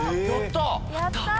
やった！